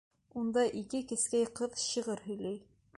Унда ике кескәй кыҙ шиғыр һөйләй.